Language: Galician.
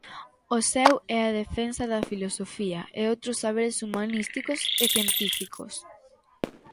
O seu é a defensa da filosofía e outros saberes humanísticos e científicos.